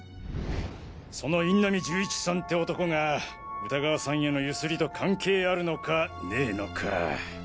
その印南銃一さんって男が歌川さんへのゆすりと関係あるのかねえのか。